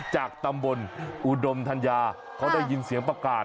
จากตำบลอุดมธัญญาเขาได้ยินเสียงประกาศ